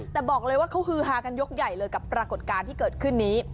แต่บอกเลยว่าเขาฮือฮากันยกใหญ่เลยกับปรากฏการณ์ที่เกิดขึ้นนี้